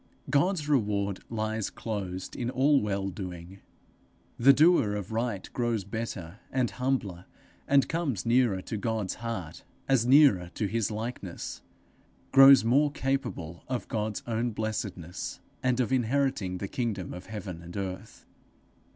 God's reward lies closed in all well doing: the doer of right grows better and humbler, and comes nearer to God's heart as nearer to his likeness; grows more capable of God's own blessedness, and of inheriting the kingdoms of heaven and earth.